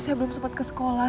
saya belum sempat ke sekolah